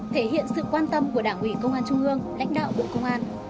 thể hiện sự quan tâm của đảng ủy công an trung ương lãnh đạo bộ công an